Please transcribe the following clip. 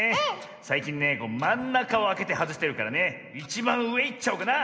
さいきんねまんなかをあけてはずしてるからねいちばんうえいっちゃおうかな！